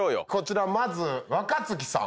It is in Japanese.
まず若槻さん。